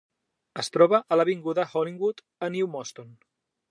Es troba a l'avinguda Hollinwood, a New Moston.